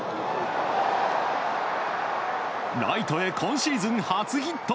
ライトへ今シーズン初ヒット。